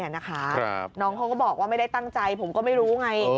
น้องเขาก็บอกว่าไม่ได้ตั้งใจผมก็ไม่รู้ไง